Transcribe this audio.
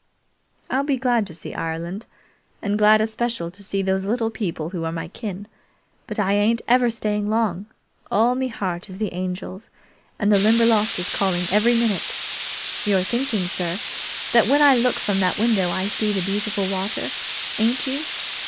"I'll be glad to see Ireland, and glad especial to see those little people who are my kin, but I ain't ever staying long. All me heart is the Angel's, and the Limberlost is calling every minute. You're thinking, sir, that when I look from that window I see the beautiful water, ain't you?